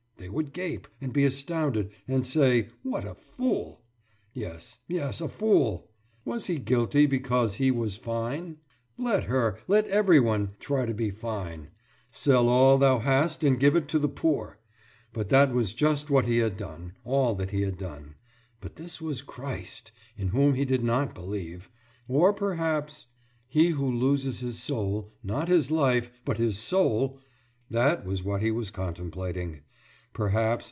They would gape, and be astounded, and say, »What a fool!« Yes yes, a fool! Was he guilty because he was fine? Let her let everyone try to be fine! »Sell all thou hast and give to the poor.« But that was just what he had done, all that he had. But this was Christ in whom he did not believe.... Or perhaps.... »He who loses his soul« not his life, but his soul.... That was what he was contemplating. Perhaps